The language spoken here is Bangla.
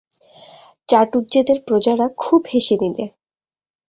চাটুজ্যেদের প্রজারা খুব হেসে নিলে।